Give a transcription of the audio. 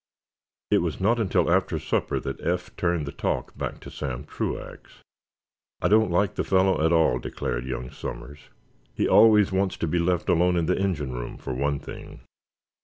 It was not until after supper that Eph turned the talk back to Sam Truax. "I don't like the fellow, at all," declared young Somers. "He always wants to be left alone in the engine room, for one thing."